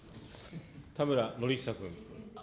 田村憲久君。